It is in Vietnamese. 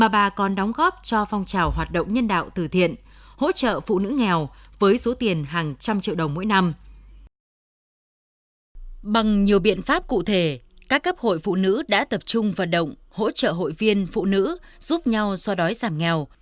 bằng nhiều biện pháp cụ thể các cấp hội phụ nữ đã tập trung vận động hỗ trợ hội viên phụ nữ giúp nhau so đói giảm nghèo